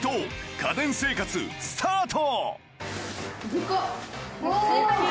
家電生活スタート